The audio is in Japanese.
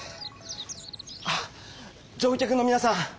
あっ乗客のみなさん！